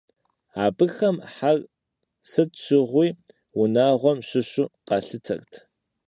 Абыхэм хьэр сыт щыгъуи унагъуэм щыщу къалъытэрт.